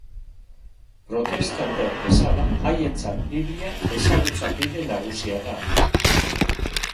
Protestanteak bezala, haientzat Biblia ezagutza bide nagusia da.